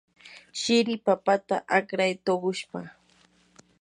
shiri papata akray tuqushpa.